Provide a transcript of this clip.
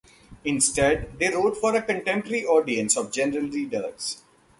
Instead, they wrote for a contemporary audience of general readers.